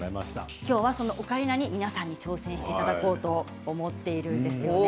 きょうはオカリナに皆さんに挑戦していただこうと思っているんです。